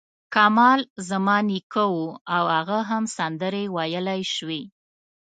کمال زما نیکه و او هغه هم سندرې ویلای شوې.